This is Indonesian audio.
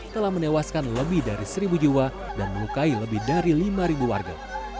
telah menewaskan lebih dari seribu jiwa dan melukai lebih dari lima warga